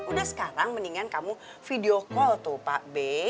udah sekarang mendingan kamu video call tuh pak b